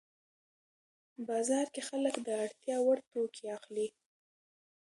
بازار کې خلک د اړتیا وړ توکي اخلي